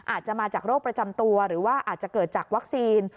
อาจจะมาจากโรคประจำตัวหรือว่าอาจจะเกิดจากวัคซีน